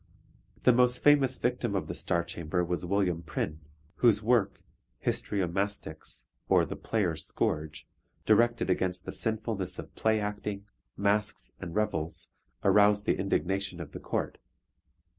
The most famous victim of the Star Chamber was William Prynne, whose work Histriomastix, or the Player's Scourge, directed against the sinfulness of play acting, masques, and revels, aroused the indignation of the Court.